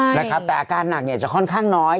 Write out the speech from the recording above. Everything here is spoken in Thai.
นะครับแต่อาการหนักเนี่ยจะค่อนข้างน้อย